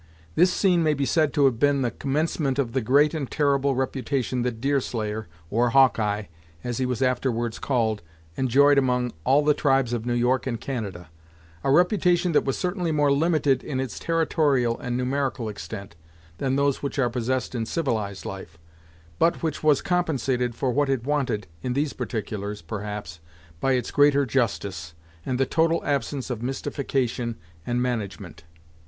This scene may be said to have been the commencement of the great and terrible reputation that Deerslayer, or Hawkeye, as he was afterwards called, enjoyed among all the tribes of New York and Canada; a reputation that was certainly more limited in its territorial and numerical extent, than those which are possessed in civilized life, but which was compensated for what it wanted in these particulars, perhaps, by its greater justice, and the total absence of mystification and management.